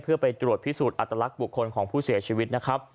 เพื่อไปตรวจพิสูจน์อัตลักษณ์บุคคลของผู้เสียชีวิตนะครับ